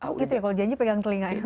oh gitu ya kalau janji pegang telinga ya